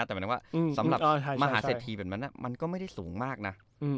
แต่หมายถึงว่าสำหรับมันก็ไม่ได้สูงมากน่ะ